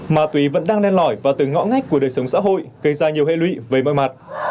ma túy vẫn đang lên lõi và từ ngõ ngách của đời sống xã hội gây ra nhiều hệ lụy với mọi mặt